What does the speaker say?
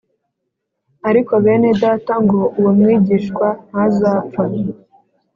Ariko bene Data ngo uwo mwigishwa ntazapfa